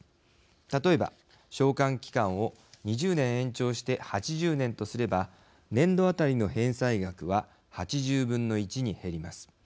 例えば償還期間を２０年延長して８０年とすれば年度当たりの返済額は８０分の１に減ります。